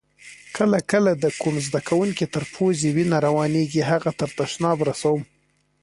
کله کله د کوم زده کونکي له پوزې وینه روانیږي هغه تر تشناب رسوم.